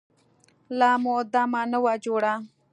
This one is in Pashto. لا مو دمه نه وه جوړه.